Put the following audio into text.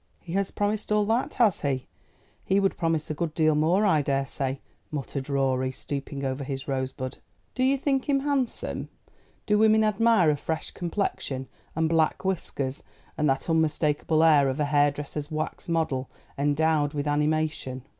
"He has promised all that, has he? He would promise a good deal more, I daresay," muttered Rorie, stooping over his rosebud. "Do you think him handsome? Do women admire a fresh complexion and black whiskers, and that unmistakable air of a hairdresser's wax model endowed with animation?"